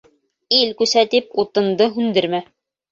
Ил күсә тип, утынды һүндермә!